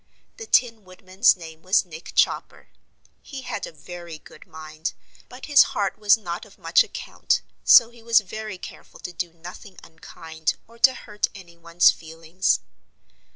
The Tin Woodman's name was Nick Chopper. He had a very good mind, but his heart was not of much account, so he was very careful to do nothing unkind or to hurt anyone's feelings.